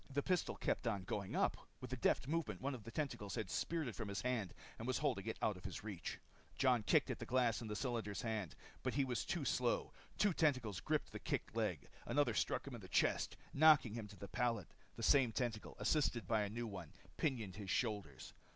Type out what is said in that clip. The pistol kept on going up. With a deft movement, one of the tentacles had speared it from his hand and was holding it out of his reach. Jon kicked at the glass in the cylinder's hand. But he was too slow. Two tentacles gripped the kicking leg. Another struck him in the chest, knocking him to the pallet. The same tentacle, assisted by a new one, pinioned his shoulders.